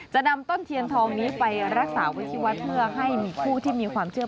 จะนำต้นเทียนทองนี้ไปรักษาไว้ที่วัดเพื่อให้มีผู้ที่มีความเชื่อ